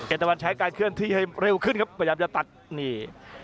ตะวันใช้การเคลื่อนที่ให้เร็วขึ้นครับพยายามจะตัดนี่